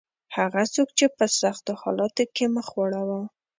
هغه څوک چې په سختو حالاتو کې مخ واړاوه.